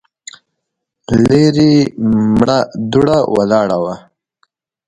ليرې مړه دوړه ولاړه وه.